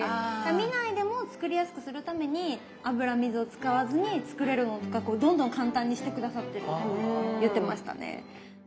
見ないでも作りやすくするために油・水を使わずに作れるものとかどんどん簡単にして下さってるって言ってましたね。